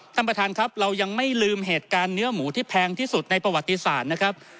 ท่านประธานครับเรายังไม่ลืมเหตุการณ์เนื้อหมูที่แพงที่สุดในประวัติศาสตร์นะครับ